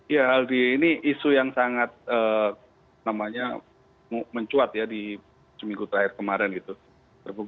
ya aldi ini isu yang sangat mencuat ya di seminggu terakhir kemarin gitu